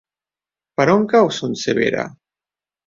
Per on cau Son Servera?